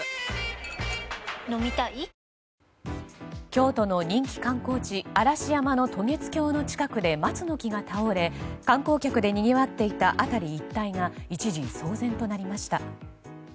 京都の人気観光地、嵐山の渡月橋の近くで松の木が倒れ観光客でにぎわっていた辺り一帯が一時騒然となりました。